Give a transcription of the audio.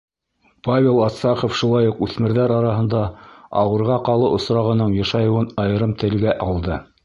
Павел Астахов шулай уҡ үҫмерҙәр араһында ауырға ҡалыу осрағының йышайыуын айырым телгә алды.